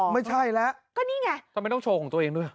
ไม่ใช่แล้วก็นี่ไงทำไมต้องโชว์ของตัวเองด้วย